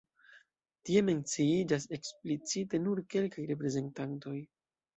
Tie menciiĝas eksplicite nur kelkaj reprezentantoj.